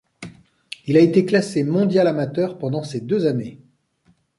Il a été classé mondial amateur pendant ces deux années.